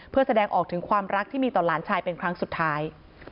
เพื่อแสดงออกถึงความรักที่มีต่อหลานชายเป็นครั้งสุดท้าย